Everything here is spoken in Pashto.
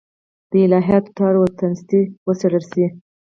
د الهیاتو تار و تنستې وڅېړل شي.